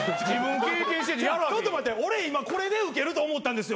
ちょっと待って俺今これでウケると思ったんですよ。